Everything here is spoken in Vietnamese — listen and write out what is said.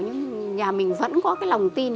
nhưng nhà mình vẫn có cái lòng tin